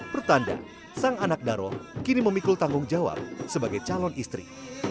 pertanda sang anak daroh kini memikul tanggung jawab sebagai calon istri